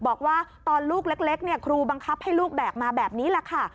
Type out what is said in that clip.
บอกว่าตอนลูกเล็กครูบังคับให้ลูกแบกมาแบบนี้แหละค่ะ